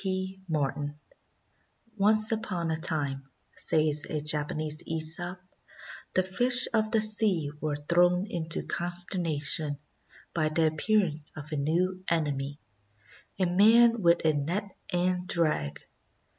P. MARTIN "Once upon a time," says a Japanese ^sop, "the fish of the sea were thrown into consternation by the appear ance of a new enemy — a man with a net and drag.